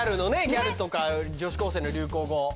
ギャルとか女子高生の流行語。